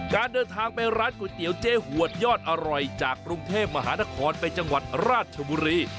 การเดินทางไปร้านก๋วยเตี๋ยวเจ๊หวดยอดอร่อยจากกรุงเทพมหานครไปจังหวัดราชบุรี